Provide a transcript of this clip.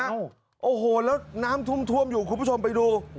โอ้โหแล้วน้ำท่วมอยู่คุณผู้ชมไปดู